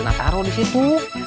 nah taruh disitu